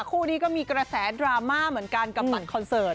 คู่นี้ก็มีกระแสดราม่าเหมือนกันกับบัตรคอนเสิร์ต